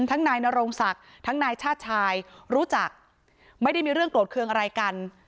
นายนโรงศักดิ์ทั้งนายชาติชายรู้จักไม่ได้มีเรื่องโกรธเครื่องอะไรกัน